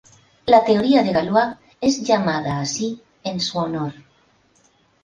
La teoría de Galois es llamada así en su honor.